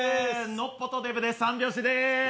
ノッポとデブで三拍子です。